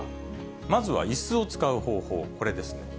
まずはいすを使う方法、これですね。